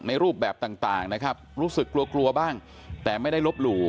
รูปแบบต่างนะครับรู้สึกกลัวกลัวบ้างแต่ไม่ได้ลบหลู่